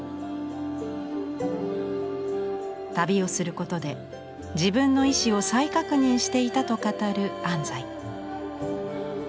旅をすることで自分の意志を再確認していたと語る安西。